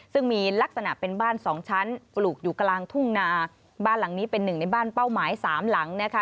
ซึ่งมีลักษณะเป็นบ้านสองชั้นปลูกอยู่กลางทุ่งนาบ้านหลังนี้เป็นหนึ่งในบ้านเป้าหมายสามหลังนะคะ